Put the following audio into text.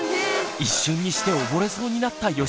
一瞬にして溺れそうになったよしひろくん。